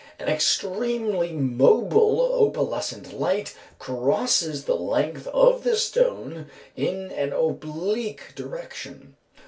An extremely mobile opalescent light crosses the length of the stone in an oblique direction.